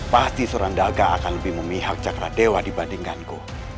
pasti surandaga akan lebih memihak cakradewa dibandingkanku